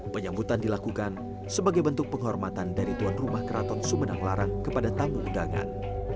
penyambutan dilakukan sebagai bentuk penghormatan dari tuan rumah keraton subedang lara kepada tamu udangan